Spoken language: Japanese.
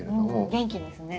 元気ですね。